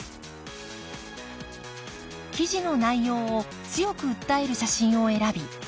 記事の内容を強く訴える写真を選び